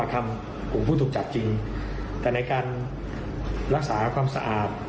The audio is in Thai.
ของผู้ถูกจับจริงแต่ในการรักษาความสะอาด